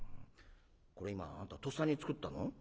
これ今あんたとっさに作ったの？